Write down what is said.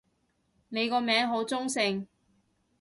你個名好中性